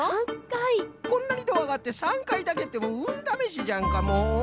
こんなにドアがあって３かいだけってうんだめしじゃんかもう。